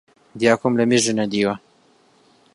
دیاکۆم لەمێژە نەدیوە